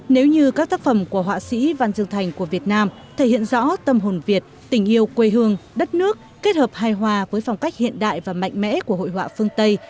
nếu như các tác phẩm của họa sĩ văn dương thành của việt nam thể hiện rõ tâm hồn việt tình yêu quê hương đất nước kết hợp hài hòa với phong cách hiện đại và mạnh mẽ của hội họa phương tây